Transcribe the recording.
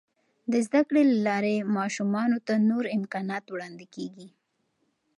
د زده کړې له لارې، ماشومانو ته نور امکانات وړاندې کیږي.